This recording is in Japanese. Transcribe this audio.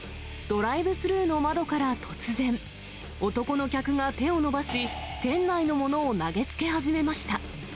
ドライブスルーの窓から突然、男の客が手を伸ばし、店内のものを投げつけ始めました。